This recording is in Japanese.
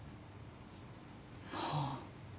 もう。